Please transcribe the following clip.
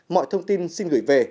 mọi thông tin xin gửi về